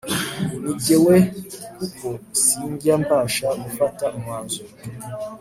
nijye we kuko sinjya mbasha gufata umwanzuro